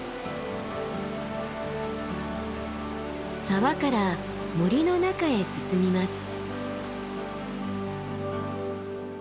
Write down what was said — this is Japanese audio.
沢から森の中へ進みます。